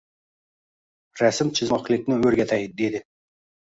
Rasm chizmoqlikni o’rgatay», — dedi.